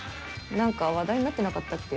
何か話題になってなかったっけ？